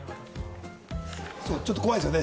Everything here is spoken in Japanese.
ちょっと怖いですよね。